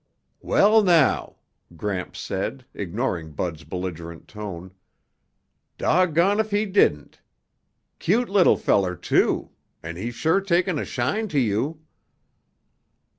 "Well, now," Gramps said, ignoring Bud's belligerent tone, "doggone if he didn't. Cute little feller, too, and he's sure taken a shine to you."